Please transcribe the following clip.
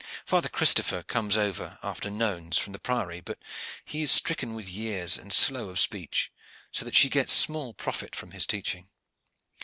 Father Christopher comes over after nones from the priory, but he is stricken with years and slow of speech, so that she gets small profit from his teaching.